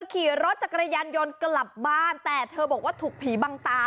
ขี่รถจักรยานยนต์กลับบ้านแต่เธอบอกว่าถูกผีบังตา